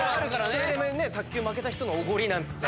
それで卓球負けた人のおごりなんつって。